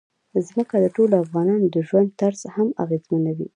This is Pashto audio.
ځمکه د ټولو افغانانو د ژوند طرز هم اغېزمنوي.